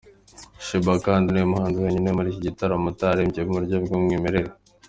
Sheebah kandi ni we muhanzi wenyine muri iki gitaramo utaririmbye mu buryo bw’umwimerere.